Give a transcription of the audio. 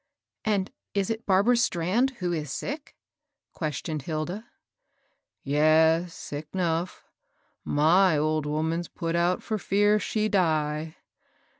" And is it Barbara Strand who is sick ?'* ques tioned E[ilda. " Yes, sick 'nough. My old woman's put out for fear she die.